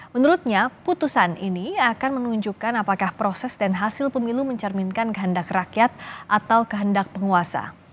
menurutnya putusan ini akan menunjukkan apakah proses dan hasil pemilu mencerminkan kehendak rakyat atau kehendak penguasa